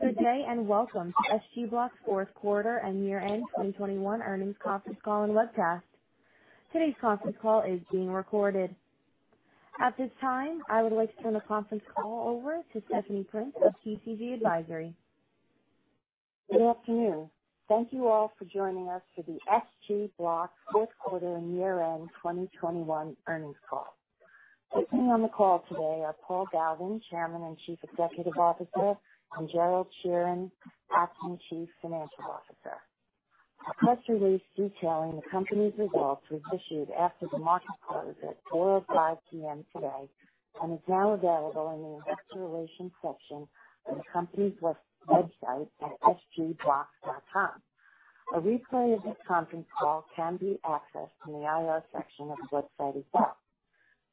Good day, and welcome to SG Blocks Fourth Quarter and Year-End 2021 Earnings Conference Call and webcast. Today's conference call is being recorded. At this time, I would like to turn the conference call over to Stephanie Prince of PCG Advisory. Good afternoon. Thank you all for joining us for the SG Blocks Fourth Quarter and Year-End 2021 Earnings Call. Joining on the call today are Paul M. Galvin, Chairman and Chief Executive Officer, and Gerald Sheeran, Acting Chief Financial Officer. A press release detailing the company's results was issued after the market close at 4:05 P.M. today and is now available in the investor relations section of the company's website at sgblocks.com. A replay of this conference call can be accessed in the IR section of the website as well.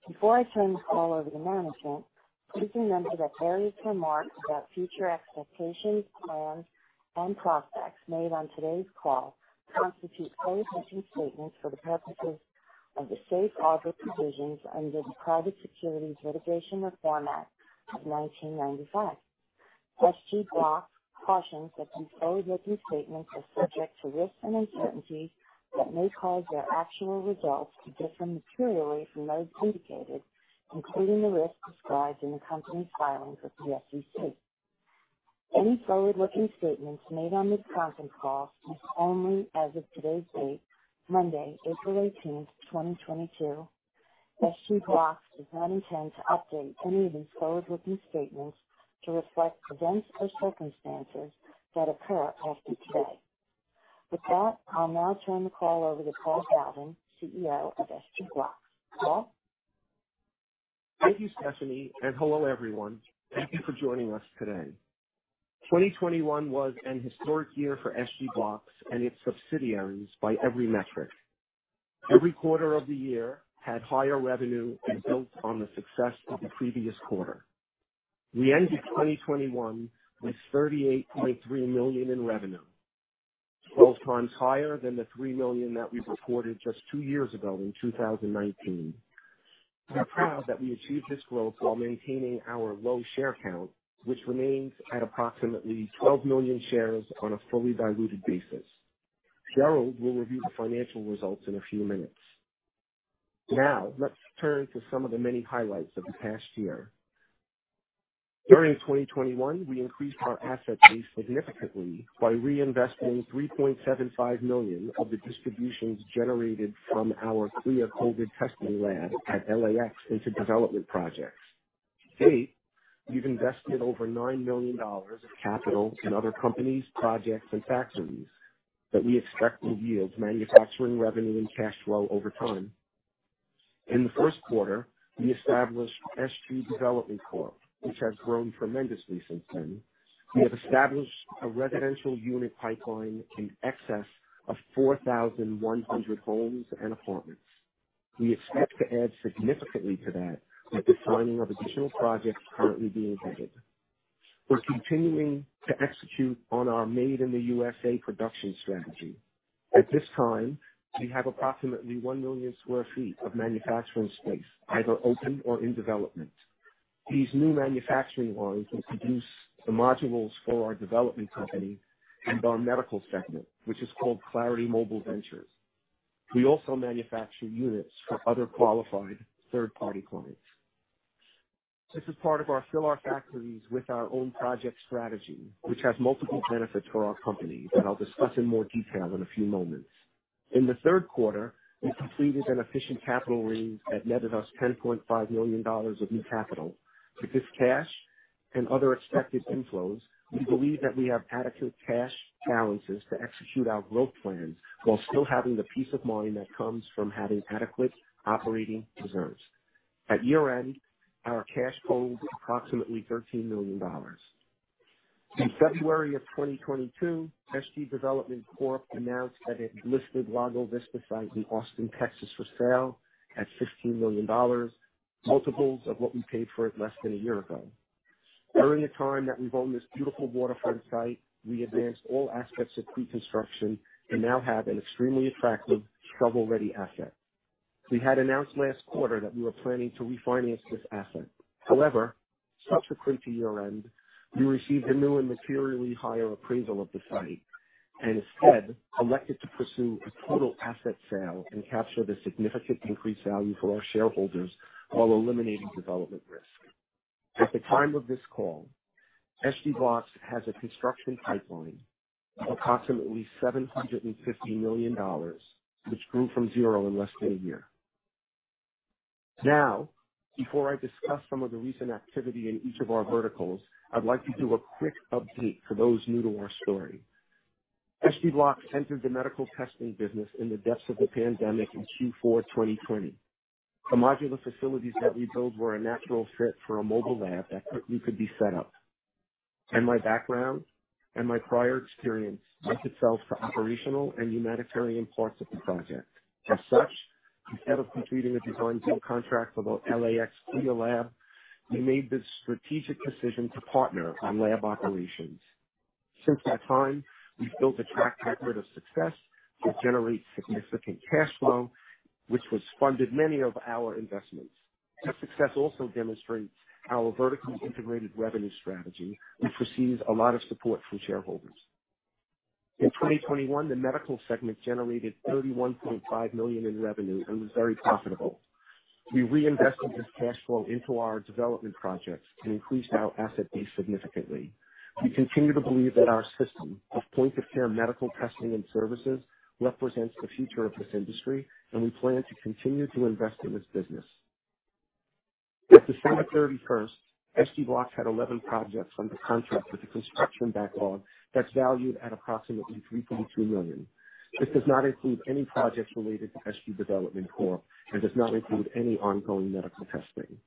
Before I turn the call over to management, please remember that various remarks about future expectations, plans, and prospects made on today's call constitute forward-looking statements for the purposes of the safe harbor provisions under the Private Securities Litigation Reform Act of 1995. SG Blocks cautions that these forward-looking statements are subject to risks and uncertainties that may cause their actual results to differ materially from those indicated, including the risks described in the company's filings with the SEC. Any forward-looking statements made on this conference call is only as of today's date, Monday, April 18, 2022. SG Blocks does not intend to update any of these forward-looking statements to reflect events or circumstances that occur after today. With that, I'll now turn the call over to Paul Galvin, CEO of SG Blocks. Paul? Thank you, Stephanie, and hello, everyone. Thank you for joining us today. 2021 was an historic year for SG Blocks and its subsidiaries by every metric. Every quarter of the year had higher revenue and built on the success of the previous quarter. We ended 2021 with $38.3 million in revenue, 12x higher than the $3 million that we reported just two years ago in 2019. We're proud that we achieved this growth while maintaining our low share count, which remains at approximately 12 million shares on a fully diluted basis. Gerald will review the financial results in a few minutes. Now, let's turn to some of the many highlights of the past year. During 2021, we increased our asset base significantly by reinvesting $3.75 million of the distributions generated from our CLIA COVID testing lab at LAX into development projects. To date, we've invested over $9 million of capital in other companies, projects, and factories that we expect will yield manufacturing revenue and cash flow over time. In the first quarter, we established SGB Development Corp, which has grown tremendously since then. We have established a residential unit pipeline in excess of 4,100 homes and apartments. We expect to add significantly to that with the signing of additional projects currently being vetted. We're continuing to execute on our Made in the USA production strategy. At this time, we have approximately 1 million square feet of manufacturing space either open or in development. These new manufacturing lines will produce the modules for our development company and our medical segment, which is called Clarity Mobile Ventures. We also manufacture units for other qualified third-party clients. This is part of fill our factories with our own projects strategy, which has multiple benefits for our company that I'll discuss in more detail in a few moments. In the third quarter, we completed an efficient capital raise that netted us $10.5 million of new capital. With this cash and other expected inflows, we believe that we have adequate cash balances to execute our growth plans while still having the peace of mind that comes from having adequate operating reserves. At year-end, our cash pooled approximately $13 million. In February 2022, SGB Development Corp. announced that it had listed Lago Vista site in Austin, Texas, for sale at $15 million, multiples of what we paid for it less than a year ago. During the time that we've owned this beautiful waterfront site, we advanced all aspects of pre-construction and now have an extremely attractive shovel-ready asset. We had announced last quarter that we were planning to refinance this asset. However, subsequent to year-end, we received a new and materially higher appraisal of the site and instead elected to pursue a total asset sale and capture the significant increased value for our shareholders while eliminating development risk. At the time of this call, SG Blocks has a construction pipeline of approximately $750 million, which grew from zero in less than a year. Now, before I discuss some of the recent activity in each of our verticals, I'd like to do a quick update for those new to our story. SG Blocks entered the medical testing business in the depths of the pandemic in Q4 2020. The modular facilities that we build were a natural fit for a mobile lab that quickly could be set up. My background and my prior experience lent itself to operational and humanitarian parts of the project. As such, instead of completing a design-team contract for the LAX CLIA lab, we made the strategic decision to partner on lab operations. Since that time, we've built a track record of success to generate significant cash flow, which has funded many of our investments. That success also demonstrates our vertically integrated revenue strategy, which receives a lot of support from shareholders. In 2021, the medical segment generated $31.5 million in revenue and was very profitable. We reinvested this cash flow into our development projects and increased our asset base significantly. We continue to believe that our system of point-of-care medical testing and services represents the future of this industry, and we plan to continue to invest in this business. As of December 31st, SG Blocks had 11 projects under contract with a construction backlog that's valued at approximately $3.2 million. This does not include any projects related to SGB Development Corp., and does not include any ongoing medical testing.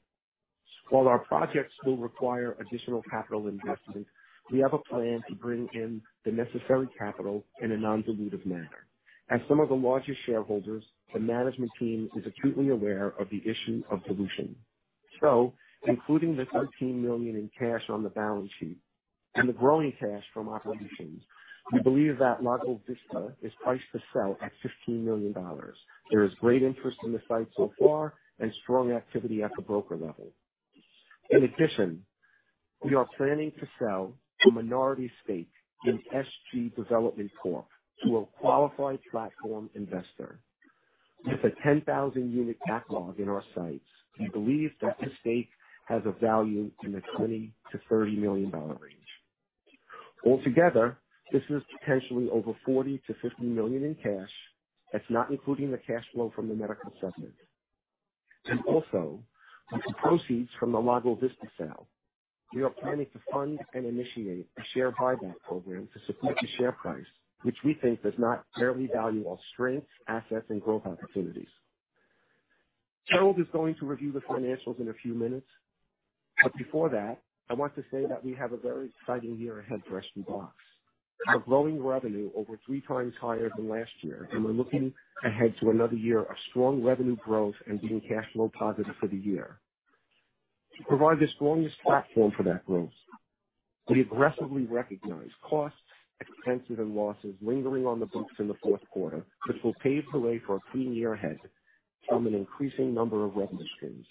While our projects will require additional capital investment, we have a plan to bring in the necessary capital in a non-dilutive manner. As some of the largest shareholders, the management team is acutely aware of the issue of dilution. Including the $13 million in cash on the balance sheet and the growing cash from operations, we believe that Lago Vista is priced to sell at $15 million. There is great interest in the site so far and strong activity at the broker level. In addition, we are planning to sell a minority stake in SGB Development Corp. to a qualified platform investor. With a 10,000-unit backlog in our sites, we believe that this stake has a value in the $20 million to $30 million range. Altogether, this is potentially over $40 million to $50 million in cash. That's not including the cash flow from the medical segment. With the proceeds from the Lago Vista sale, we are planning to fund and initiate a share buyback program to support the share price, which we think does not fairly value our strengths, assets, and growth opportunities. Gerald is going to review the financials in a few minutes, but before that, I want to say that we have a very exciting year ahead for SG Blocks. We're growing revenue over 3x higher than last year, and we're looking ahead to another year of strong revenue growth and being cash flow positive for the year. To provide the strongest platform for that growth, we aggressively recognize costs, expenses, and losses lingering on the books in the fourth quarter. This will pave the way for a clean year ahead from an increasing number of revenue streams.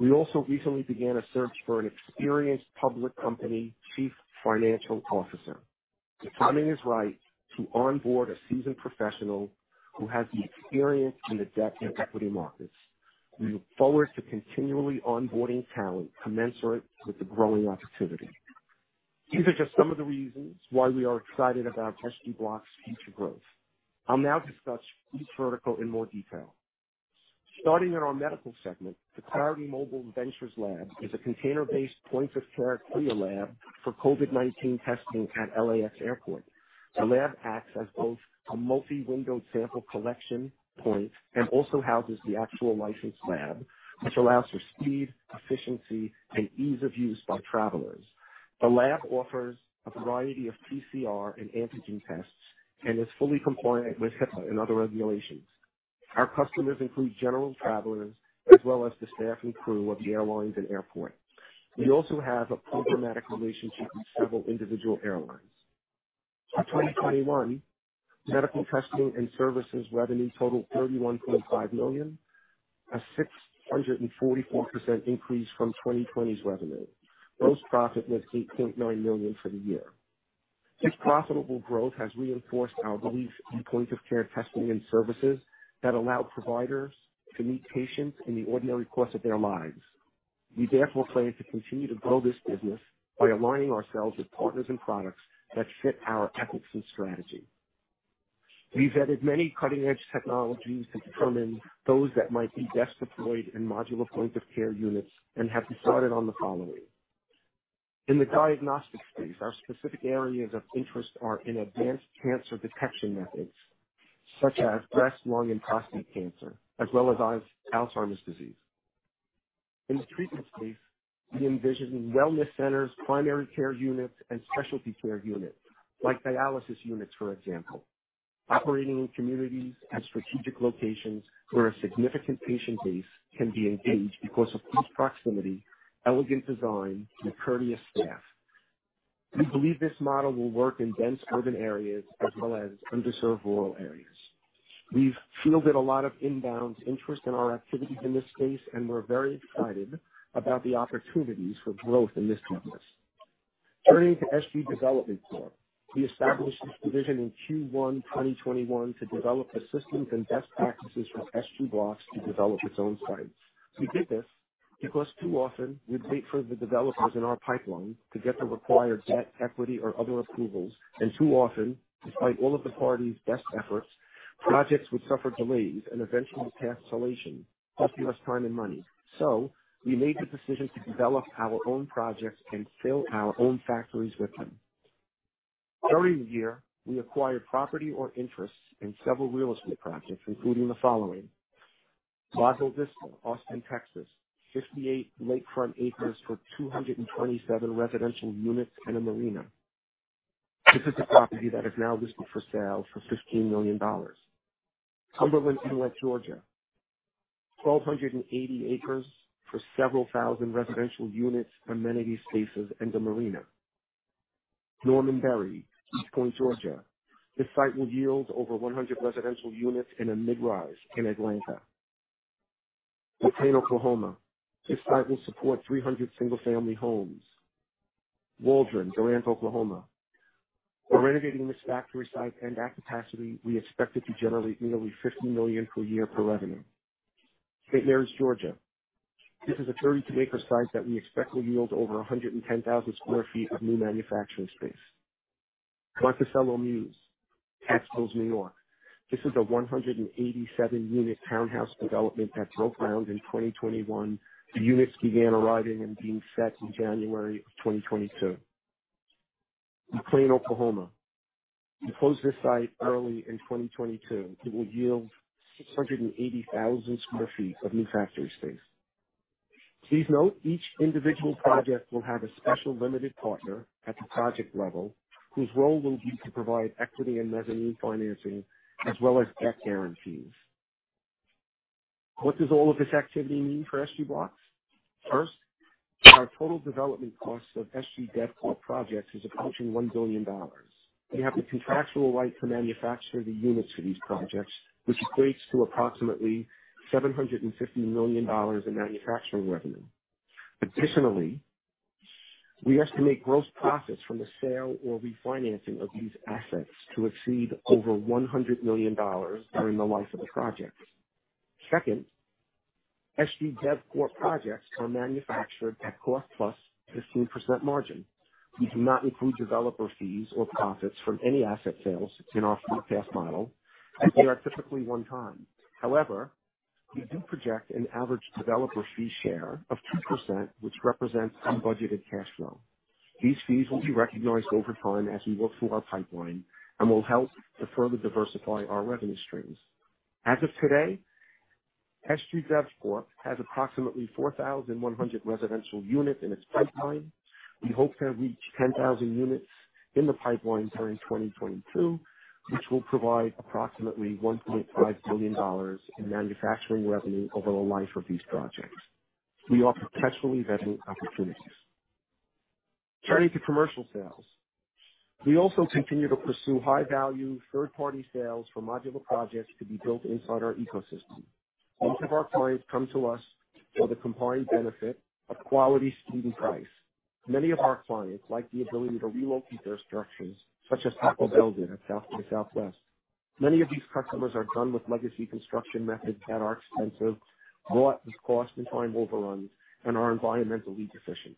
We also recently began a search for an experienced public company Chief Financial Officer. The timing is right to onboard a seasoned professional who has the experience in the debt and equity markets. We look forward to continually onboarding talent commensurate with the growing activity. These are just some of the reasons why we are excited about SG Blocks' future growth. I'll now discuss each vertical in more detail. Starting in our medical segment. The Clarity Mobile Venture lab is a container-based point-of-care CLIA lab for COVID-19 testing at LAX Airport. The lab acts as both a multi-window sample collection point and also houses the actual licensed lab, which allows for speed, efficiency, and ease of use by travelers. The lab offers a variety of PCR and antigen tests and is fully compliant with HIPAA and other regulations. Our customers include general travelers as well as the staff and crew of the airlines and airport. We also have a programmatic relationship with several individual airlines. For 2021, medical testing and services revenue totaled $31.5 million, a 644% increase from 2020's revenue. Gross profit was $8.9 million for the year. This profitable growth has reinforced our belief in point-of-care testing and services that allow providers to meet patients in the ordinary course of their lives. We therefore plan to continue to grow this business by aligning ourselves with partners and products that fit our ethics and strategy. We've vetted many cutting-edge technologies to determine those that might be best deployed in modular point-of-care units and have decided on the following. In the diagnostic space, our specific areas of interest are in advanced cancer detection methods such as breast, lung, and prostate cancer, as well as Alzheimer's disease. In the treatment space, we envision wellness centers, primary care units, and specialty care units like dialysis units, for example, operating in communities and strategic locations where a significant patient base can be engaged because of close proximity, elegant design, and courteous staff. We believe this model will work in dense urban areas as well as underserved rural areas. We've fielded a lot of inbound interest in our activities in this space, and we're very excited about the opportunities for growth in this space. Turning to SGB Development Corp. We established this division in Q1 2021 to develop the systems and best practices for SG Blocks to develop its own sites. We did this because too often we'd wait for the developers in our pipeline to get the required debt, equity, or other approvals. Too often, despite all of the parties' best efforts, projects would suffer delays and eventual cancellation, costing us time and money. We made the decision to develop our own projects and fill our own factories with them. During the year, we acquired property or interests in several real estate projects, including the following. Lago Vista, Austin, Texas, 58 lakefront acres for 227 residential units and a marina. This is the property that is now listed for sale for $15 million. Cumberland Inlet, Georgia. 1,280 acres for several thousand residential units, amenity spaces and a marina. Norman Berry, East Point, Georgia. This site will yield over 100 residential units in a mid-rise in Atlanta. McClain County, Oklahoma. This site will support 300 single-family homes. Waldron, Durant, Oklahoma. We're renovating this factory site, and at capacity, we expect it to generate nearly $50 million in revenue per year. St. Mary's, Georgia. This is a 32-acre site that we expect will yield over 110,000 square ft of new manufacturing space. Monticello Mews, Tuckahoe, New York. This is a 187-unit townhouse development that broke ground in 2021. The units began arriving and being set in January of 2022 in McClain, Oklahoma. We closed this site early in 2022. It will yield 680,000 square ft of new factory space. Please note each individual project will have a special limited partner at the project level, whose role will be to provide equity and revenue financing as well as debt guarantees. What does all of this activity mean for SG Blocks? First, our total development cost of SGB DevCorp projects is approaching $1 billion. We have the contractual right to manufacture the units for these projects, which equates to approximately $750 million in manufacturing revenue. Additionally, we estimate gross profits from the sale or refinancing of these assets to exceed over $100 million during the life of the project. Second, SGB DevCorp projects are manufactured at cost plus 15% margin. We do not include developer fees or profits from any asset sales in our forecast model, and they are typically one time. However, we do project an average developer fee share of 2%, which represents un-budgeted cash flow. These fees will be recognized over time as we work through our pipeline and will help to further diversify our revenue streams. As of today, SGB DevCorp has approximately 4,100 residential units in its pipeline. We hope to reach 10,000 units in the pipeline during 2022, which will provide approximately $1.5 billion in manufacturing revenue over the life of these projects. We are perpetually vetting opportunities. Turning to commercial sales. We also continue to pursue high value third party sales for modular projects to be built inside our ecosystem. Most of our clients come to us for the combined benefit of quality, speed and price. Many of our clients like the ability to relocate their structures such as Taco Bell did in the Southwest. Many of these customers are done with legacy construction methods that are expensive, fraught with cost and time overruns and are environmentally deficient.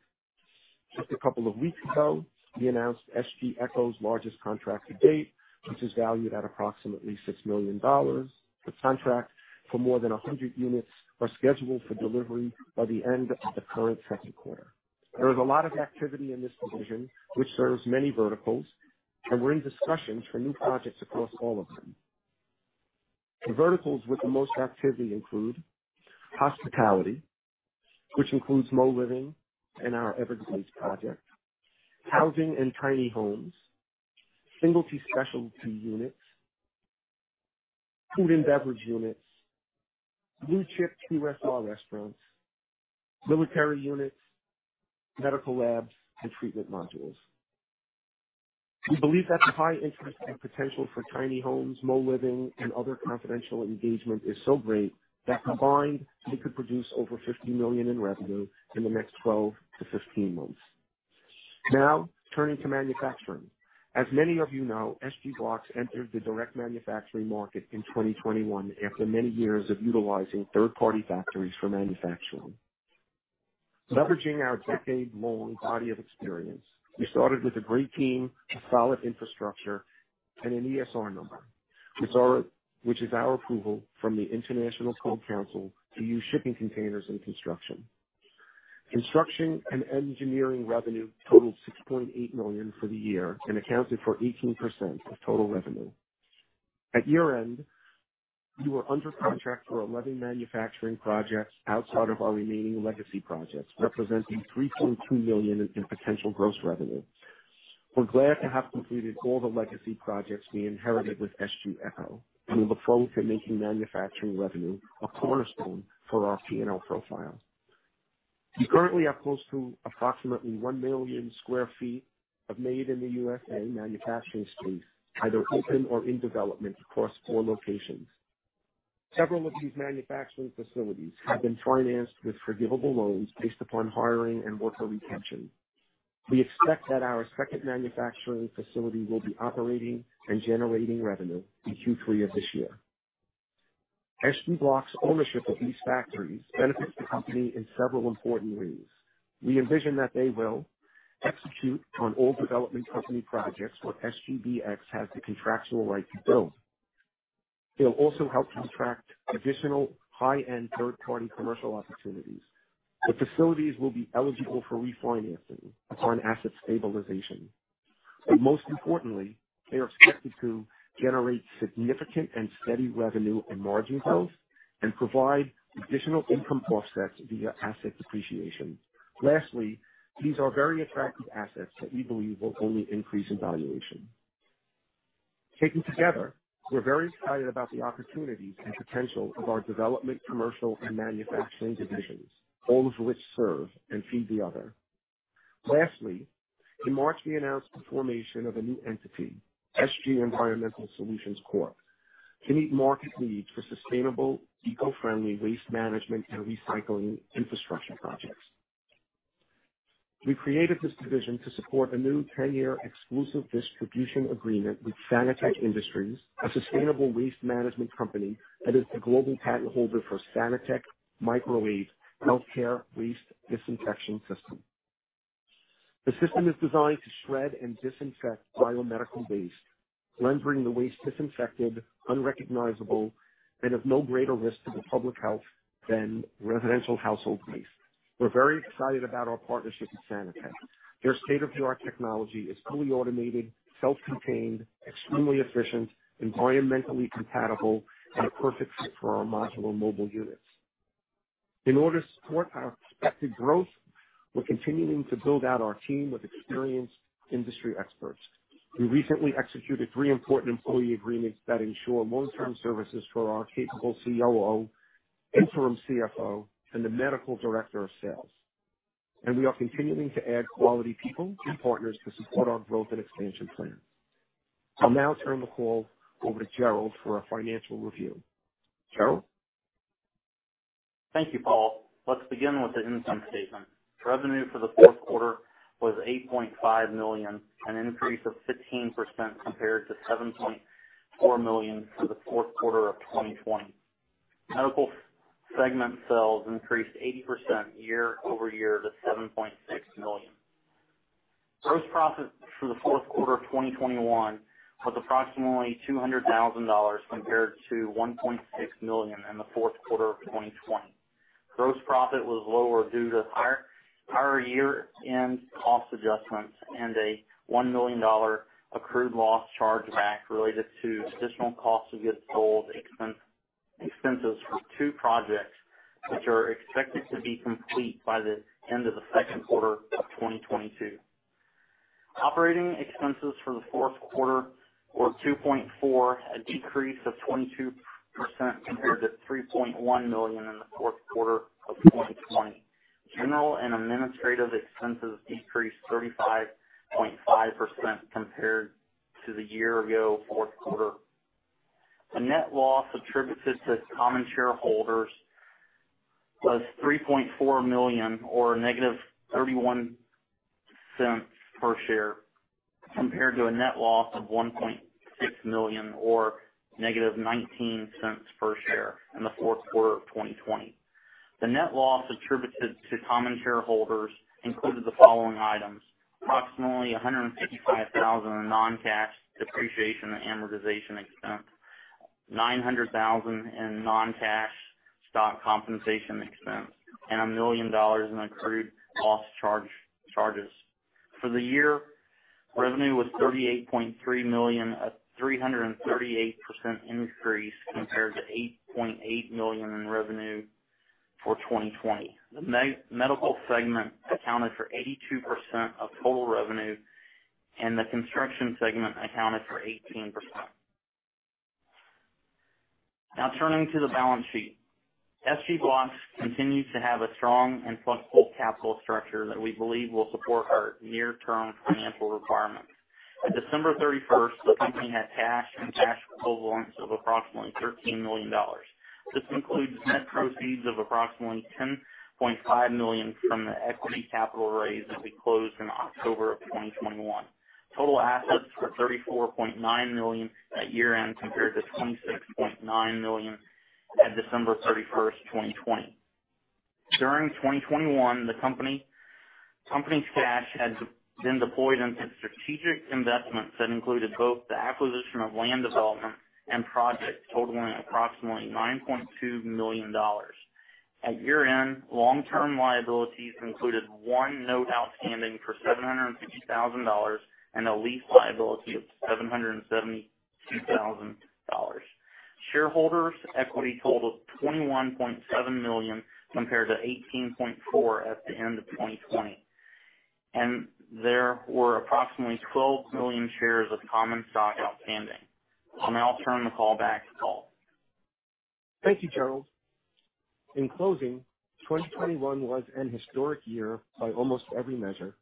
Just a couple of weeks ago, we announced SG Echo's largest contract to date, which is valued at approximately $6 million. The contract for more than 100 units are scheduled for delivery by the end of the current fiscal quarter. There is a lot of activity in this division which serves many verticals, and we're in discussions for new projects across all of them. The verticals with the most activity include hospitality, which includes Moliving and our Everglades project, housing and tiny homes, single-use specialty units, food and beverage units, blue chip QSR restaurants, military units, medical labs and treatment modules. We believe that the high interest and potential for tiny homes, Moliving and other confidential engagement is so great that combined they could produce over $50 million in revenue in the next 12 to 15 months. Now turning to manufacturing. As many of you know, SG Blocks entered the direct manufacturing market in 2021 after many years of utilizing third-party factories for manufacturing. Leveraging our decade-long body of experience, we started with a great team, a solid infrastructure, and an ESR number, which is our approval from the International Code Council to use shipping containers in construction. Construction and engineering revenue totaled $6.8 million for the year and accounted for 18% of total revenue. At year-end, we were under contract for 11 manufacturing projects outside of our remaining legacy projects, representing $3.2 million in potential gross revenue. We're glad to have completed all the legacy projects we inherited with SG Echo, and we look forward to making manufacturing revenue a cornerstone for our P&L profile. We currently have close to approximately 1 million square ft of made in the USA manufacturing space, either open or in development across four locations. Several of these manufacturing facilities have been financed with forgivable loans based upon hiring and worker retention. We expect that our second manufacturing facility will be operating and generating revenue in Q3 of this year. SG Blocks ownership of these factories benefits the company in several important ways. We envision that they will execute on all development company projects where SGBX has the contractual right to build. It'll also help contract additional high-end third-party commercial opportunities. The facilities will be eligible for refinancing upon asset stabilization. Most importantly, they are expected to generate significant and steady revenue and margin growth and provide additional income offsets via asset depreciation. Lastly, these are very attractive assets that we believe will only increase in valuation. Taken together, we're very excited about the opportunities and potential of our development, commercial and manufacturing divisions, all of which serve and feed the other. Lastly, in March, we announced the formation of a new entity, SG Environmental Solutions Corp., to meet market needs for sustainable, eco-friendly waste management and recycling infrastructure projects. We created this division to support a new 10-year exclusive distribution agreement with Sanitec Industries, a sustainable waste management company that is the global patent holder for Sanitec Microwave Healthcare Waste Disinfection System. The system is designed to shred and disinfect biomedical waste, rendering the waste disinfected, unrecognizable, and of no greater risk to the public health than residential household waste. We're very excited about our partnership with Sanitec. Their state-of-the-art technology is fully automated, self-contained, extremely efficient, environmentally compatible, and a perfect fit for our modular mobile units. In order to support our expected growth, we're continuing to build out our team with experienced industry experts. We recently executed three important employee agreements that ensure long-term services for our capable COO, interim CFO, and the Medical Director of Sales. We are continuing to add quality people and partners to support our growth and expansion plan. I'll now turn the call over to Gerald for a financial review. Gerald? Thank you, Paul. Let's begin with the income statement. Revenue for the fourth quarter was $8.5 million, an increase of 15% compared to $7.4 million for the fourth quarter of 2020. Medical segment sales increased 80% year-over-year to $7.6 million. Gross profit for the fourth quarter of 2021 was approximately $200,000 compared to $1.6 million in the fourth quarter of 2020. Gross profit was lower due to higher year-end cost adjustments and a $1 million accrued loss chargeback related to additional cost of goods sold expenses for two projects which are expected to be complete by the end of the second quarter of 2022. Operating expenses for the fourth quarter were $2.4 million, a decrease of 22% compared to $3.1 million in the fourth quarter of 2020. General and administrative expenses decreased 35.5% compared to the year-ago fourth quarter. The net loss attributable to common shareholders was $3.4 million, or -$0.31 per share, compared to a net loss of $1.6 million or -$0.19 per share in the fourth quarter of 2020. The net loss attributable to common shareholders included the following items. Approximately $155,000 in non-cash depreciation and amortization expense, $900,000 in non-cash stock compensation expense, and $1 million in accrued loss charges. For the year, revenue was $38.3 million, a 338% increase compared to $8.8 million in revenue for 2020. The medical segment accounted for 82% of total revenue, and the construction segment accounted for 18%. Now turning to the balance sheet. SG Blocks continues to have a strong and flexible capital structure that we believe will support our near-term financial requirements. At December 31st, the company had cash and cash equivalents of approximately $13 million. This includes net proceeds of approximately $10.5 million from the equity capital raise that we closed in October 2021. Total assets were $34.9 million at year-end, compared to $26.9 million at December 31st, 2020. During 2021, the company's cash has been deployed into strategic investments that included both the acquisition of land development and projects totaling approximately $9.2 million. At year-end, long-term liabilities included one note outstanding for $750,000 and a lease liability of $772,000. Shareholders' equity totaled $21.7 million compared to $18.4 million at the end of 2020. There were approximately 12 million shares of common stock outstanding. I'll now turn the call back to Paul. Thank you, Gerald. In closing, 2021 was an historic year by almost every measure.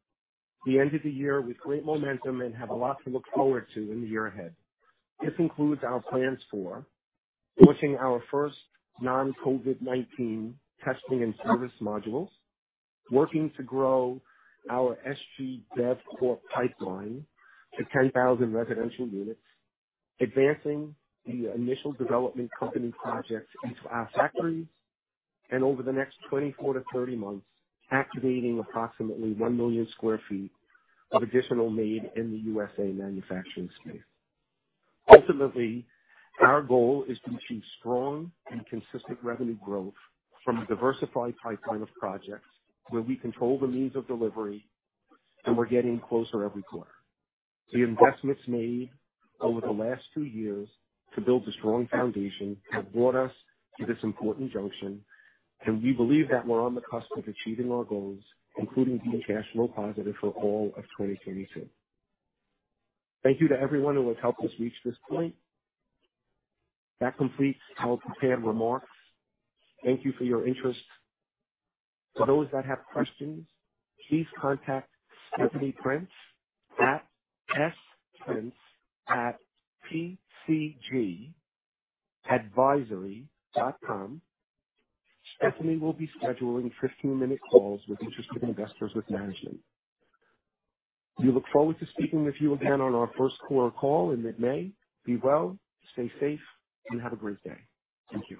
We ended the year with great momentum and have a lot to look forward to in the year ahead. This includes our plans for pushing our first non-COVID-19 testing and service modules, working to grow our SGB DevCorp pipeline to 10,000 residential units, advancing the initial development company projects into our factories, and over the next 24 to 30 months, activating approximately 1 million square ft of additional made in the USA manufacturing space. Ultimately, our goal is to achieve strong and consistent revenue growth from a diversified pipeline of projects where we control the means of delivery, and we're getting closer every quarter. The investments made over the last two years to build a strong foundation have brought us to this important junction, and we believe that we're on the cusp of achieving our goals, including being cash flow positive for all of 2022. Thank you to everyone who has helped us reach this point. That completes our prepared remarks. Thank you for your interest. For those that have questions, please contact Stephanie Prince at sprince@pcgadvisory.com. Stephanie will be scheduling 15-minute calls with interested investors with management. We look forward to speaking with you again on our first quarter call in mid-May. Be well, stay safe, and have a great day. Thank you.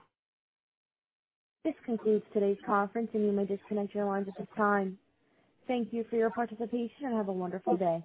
This concludes today's conference, and you may disconnect your lines at this time. Thank you for your participation and have a wonderful day.